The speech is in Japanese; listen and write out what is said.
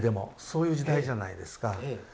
そういう時代じゃないですか。